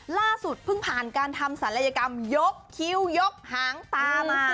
ล่าสุดเพิ่งผ่านการทำศัลยกรรมยกคิ้วยกหางตามา